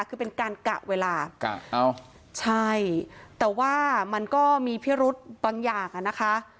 คือเป็นการกะเวลาแต่ว่ามันก็มีพิรุธบางอย่างนะคะ